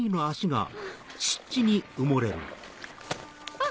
あっ！